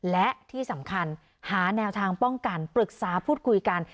และที่สำคัญหาแนวทางป้องกันปรึกษาพูดคุยกัน